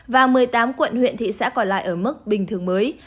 và một mươi tám quận huyện thị xã còn lại ở mức bình thường mới